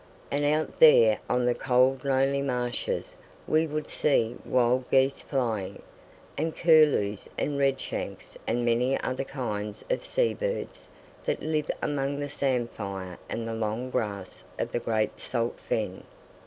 And out there on the cold lonely marshes we would see wild geese flying, and curlews and redshanks and many other kinds of seabirds that live among the samfire and the long grass of the great salt fen.